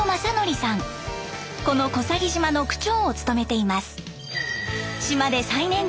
この小佐木島の区長を務めています。